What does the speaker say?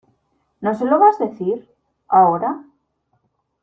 ¿ no se lo vas a decir? ¿ ahora ?